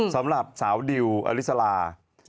สำหรับสาวดิวอลิสลา